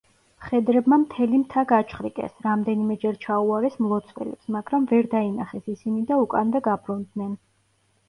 მხედრებმა მთელი მთა გაჩხრიკეს, რამდენიმეჯერ ჩაუარეს მლოცველებს, მაგრამ ვერ დაინახეს ისინი და უკანვე გაბრუნდნენ.